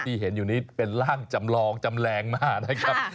ที่เห็นอยู่นี้เป็นร่างจำลองจำแรงมากนะครับ